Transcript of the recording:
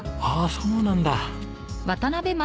ああそうなんだ。